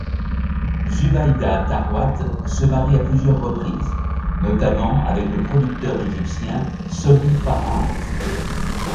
Zubaida Tharwat se marie à plusieurs reprises, notamment avec le producteur égyptien Sobhy Farahat.